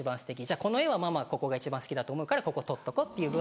じゃあこの絵はママはここが一番好きだと思うからここ取っとこうっていう。